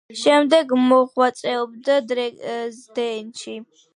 შემდეგ მოღვაწეობდა დრეზდენში.